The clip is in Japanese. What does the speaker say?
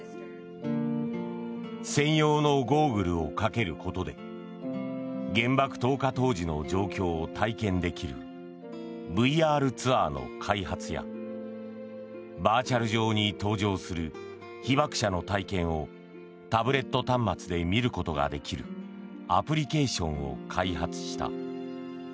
専用のゴーグルをかけることで原爆投下当時の状況を体験できるＶＲツアーの開発やバーチャル上に登場する被爆者の体験をタブレット端末で見ることができるアプリケーションを開発した。